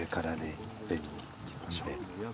いっぺんにいきましょう。